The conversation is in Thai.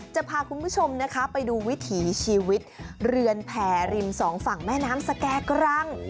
จะพาคุณผู้ชมนะคะไปดูวิถีชีวิตเรือนแผ่ริมสองฝั่งแม่น้ำสแก่กรัง